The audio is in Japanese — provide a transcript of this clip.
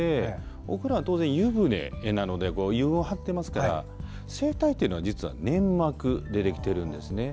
お風呂は当然、湯船なので湯を張ってますから声帯というのは実は粘膜でできてるんですね。